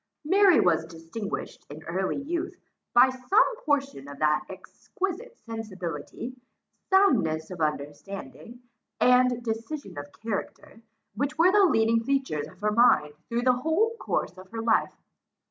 Mary was distinguished in early youth, by some portion of that exquisite sensibility, soundness of understanding, and decision of character, which were the leading features of her mind through the whole course of her life.